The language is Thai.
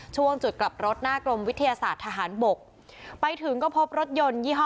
ช่วงจุดกลับรถหน้ากรมวิทยาศาสตร์ทหารบกไปถึงก็พบรถยนต์ยี่ห้อ